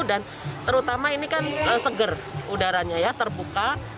dan terutama ini kan seger udaranya terbuka